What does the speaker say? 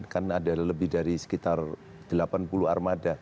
kan ada lebih dari sekitar delapan puluh armada